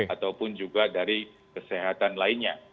ataupun juga dari kesehatan lainnya